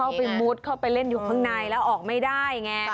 เข้าไปมุดเข้าไปเล่นอยู่ข้างในแล้วออกไม่ได้ไง